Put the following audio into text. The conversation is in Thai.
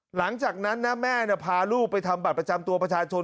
หลังจากนั้นนะแม่พาลูกไปทำบัตรประจำตัวประชาชน